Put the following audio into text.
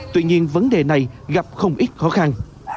tuy nhiên vấn đề này gặp không ít khó khăn